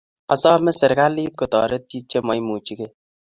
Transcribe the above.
asome serikalit kotareti pik chemaimuchikei